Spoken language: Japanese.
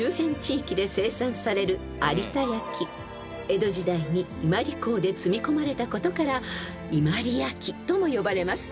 ［江戸時代に伊万里港で積み込まれたことから伊万里焼とも呼ばれます］